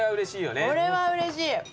これはうれしいよね。